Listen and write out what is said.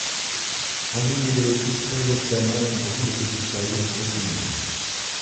Amblyeleotris periophthalma est un poisson de petite taille, maximum.